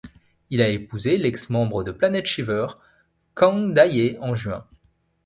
Il a épousé l'ex-membre de Planet Shiver, Kang Da-hye, en juin.